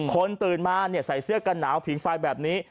ตื่นมาใส่เสื้อกันหนาวผิงไฟแบบนี้